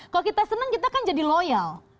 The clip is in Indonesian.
kalau kita senang kita kan jadi loyal